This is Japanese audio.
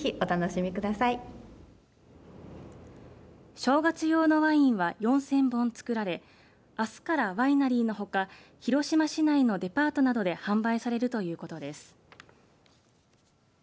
正月用のワインは４０００本造られあすから、ワイナリーのほか広島市内のデパートなどで販売されるということです。